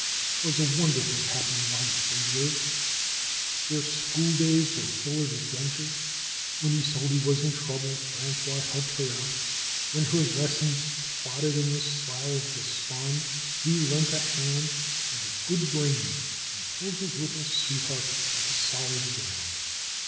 ^Twas a wonderfully happy life they lived ! Their school days were full of adventures. When Isolde was in trouble Frangois helped her out. When her lessons plodded in the slough of despond he leant a hand and a good brain and pulled his little sweetheart on to solid ground.